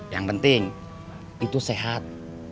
yang penting itu sehat